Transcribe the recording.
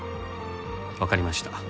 わかりました。